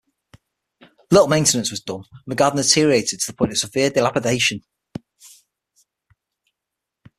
Little maintenance was done and the garden deteriorated to the point of severe dilapidation.